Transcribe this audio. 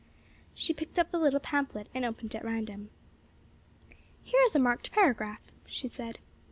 She picked up the little pamphlet, and opened at random. "Here is a marked paragraph," she said.